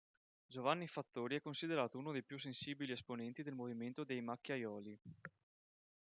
Giovanni Fattori è considerato uno dei più sensibili esponenti del movimento dei Macchiaioli.